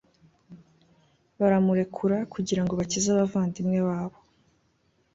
baramurekura kugira ngo bakize abavandimwe babo